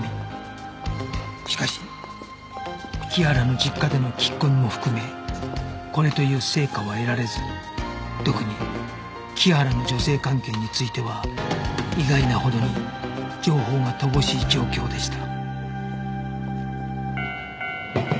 しかし木原の実家での聞き込みも含めこれという成果は得られず特に木原の女性関係については意外なほどに情報が乏しい状況でした